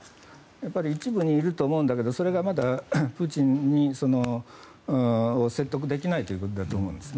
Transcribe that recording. やっぱり一部にいると思うんだけど、それがまだプーチンを説得できないということだと思うんです。